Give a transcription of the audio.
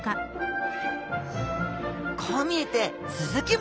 こう見えてスズキ目。